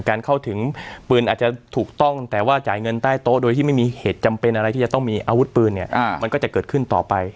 เข้าถึงปืนอาจจะถูกต้องแต่ว่าจ่ายเงินใต้โต๊ะโดยที่ไม่มีเหตุจำเป็นอะไรที่จะต้องมีอาวุธปืนเนี่ยมันก็จะเกิดขึ้นต่อไป